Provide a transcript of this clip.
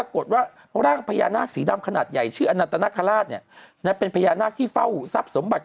ของปู่ศรีสุโทษบอกว่า